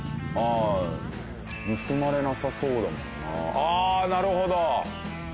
ああなるほど！